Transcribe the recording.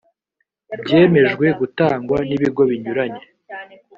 byemejwe gutangwa n ibigo binyuranye